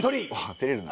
てれるな。